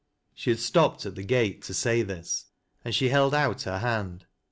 She had stopped at the gate to say this, and she held out her hand.